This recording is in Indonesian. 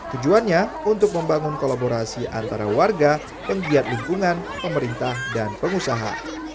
tujuannya untuk membangun kolaborasi antara warga penggiat lingkungan pemerintah dan pengusaha